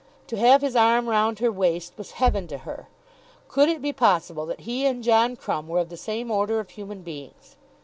To have his arm round her waist was heaven to her! Could it be possible that he and John Crumb were of the same order of human beings?